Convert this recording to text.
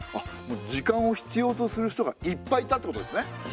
時間を必要とする人がいっぱいいたってことですね。